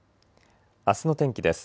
あすの天気です。